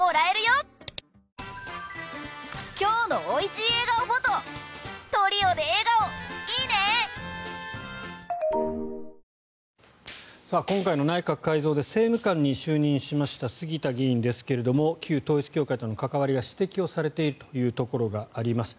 杉田議員も旧統一教会の関係は今回の内閣改造で政務官に就任しました杉田議員ですが旧統一教会との関わりが指摘をされているというところがあります。